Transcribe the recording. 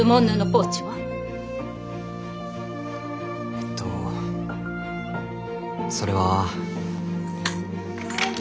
えっとそれは。